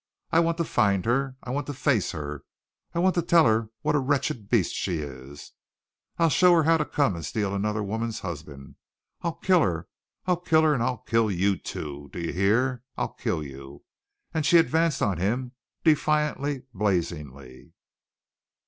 I want to find her. I want to face her. I want to tell her what a wretched beast she is. I'll show her how to come and steal another woman's husband. I'll kill her. I'll kill her and I'll kill you, too. Do you hear? I'll kill you!" And she advanced on him defiantly, blazingly.